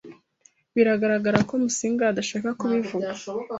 Biragaragara ko Musinga adashaka kubivugaho.